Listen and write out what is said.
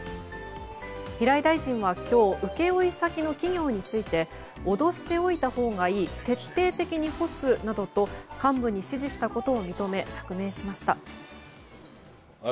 平井大臣は今日請負先の企業について脅しておいたほうがいい徹底的に干すなどと幹部に指示したことを認め釈明しました。